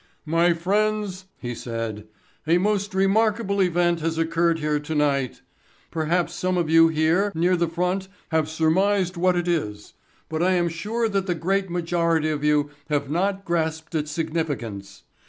"My friends," he said, "a most remarkable event has occurred here tonight. Perhaps some of you here near the front have surmised what it is, but I am sure that the great majority of you have not grasped its significance.